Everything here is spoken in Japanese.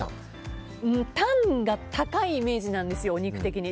タンが高いイメージなんですよお肉的に。